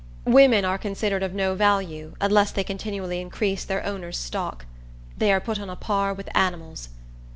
Women are considered of no value, unless they continually increase their owner's stock. They are put on a par with animals.